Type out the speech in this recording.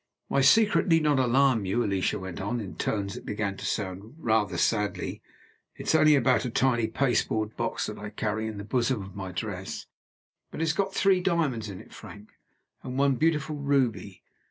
"My secret need not alarm you," Alicia went on, in tones that began to sound rather sadly; "it is only about a tiny pasteboard box that I can carry in the bosom of my dress. But it has got three diamonds in it, Frank, and one beautiful ruby.